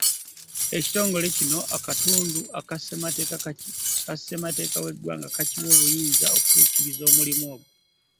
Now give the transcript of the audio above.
Ekotongole kino akatundu aka Ssemateeka w’eggwanga kakiwa obuyinza okutuukiriza omulimu ogwo.